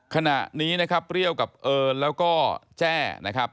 ขณะนี้นะครับเปรี้ยวกับเอิญแล้วก็แจ้นะครับ